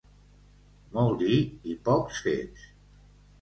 Molt dir i poc fets.